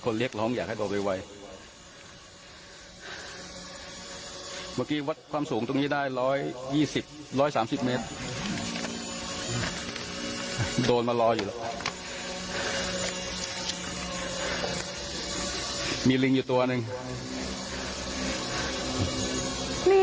นี่นะคะครูป๊อป